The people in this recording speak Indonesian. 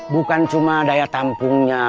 bukan cuma daya tampungnya